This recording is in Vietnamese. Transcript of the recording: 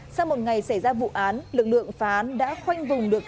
sau một ngày xảy ra vụ án lực lượng phán đã khoanh vùng được